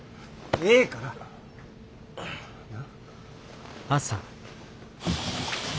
ええから！な。